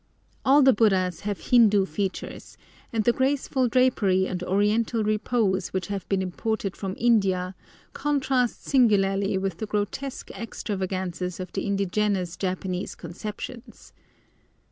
All the Buddhas have Hindoo features, and the graceful drapery and oriental repose which have been imported from India contrast singularly with the grotesque extravagances of the indigenous Japanese conceptions.